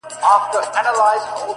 • يو خوا يې توره سي تياره ښكاريږي؛